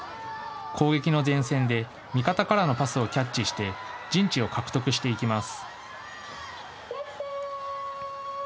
攻撃の前線で味方からのパスをキャッチして陣地を獲得していきます。